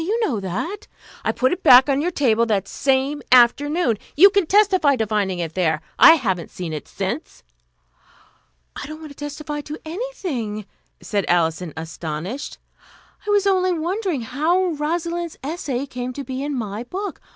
You know that." "I put it back on your table that same afternoon. You can testify to finding it there. I haven't seen it since." "I don't want to 'testify' to anything," said Alison, astonished. "I was only wondering how Rosalind's essay came to be in my book.